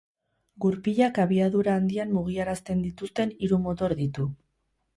Gurpilak abiadura handian mugiarazten dituzten hiru motor ditu.